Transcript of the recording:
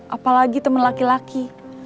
apalagi temen laki laki